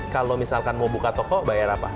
kalau misalkan mau buka toko bayar apa